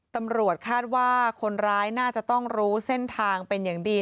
ตำรวจคาดว่าคนร้ายน่าจะต้องรู้เส้นทางเป็นอย่างดี